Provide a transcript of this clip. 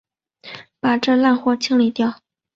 把这烂货清理掉！